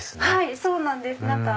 はいそうなんです。